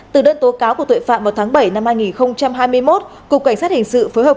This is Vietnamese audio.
từ đơn tố cáo của tội phạm vào tháng bảy năm hai nghìn hai mươi một cục cảnh sát hình sự phối hợp